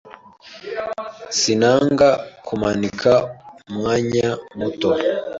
Sinanga kumanika umwanya muto.